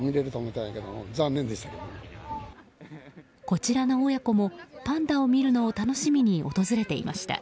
こちらの親子もパンダを見るのを楽しみに訪れていました。